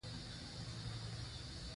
ځمکنی شکل د افغانستان د زرغونتیا نښه ده.